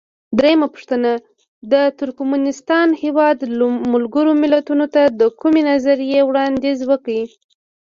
درېمه پوښتنه: د ترکمنستان هیواد ملګرو ملتونو ته د کومې نظریې وړاندیز وکړ؟